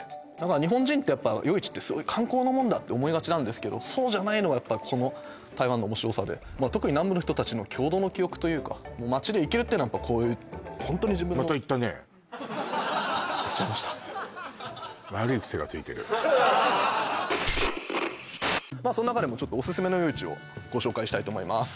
日本人って夜市って観光のもんだって思いがちなんですけどそうじゃないのがやっぱこの台湾の面白さで特に南部の人たちの共同の記憶というかっていうのはやっぱこういうホントに自分のその中でもちょっとオススメの夜市をご紹介したいと思います